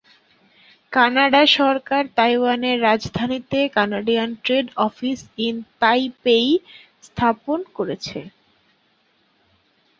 Canada সরকার তাইওয়ানের রাজধানীতে Canadian trade office in Taipei স্থাপন করেছে।